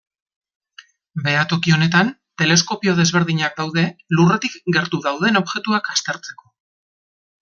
Behatoki honetan teleskopio desberdinak daude Lurretik gertu dauden objektuak aztertzeko.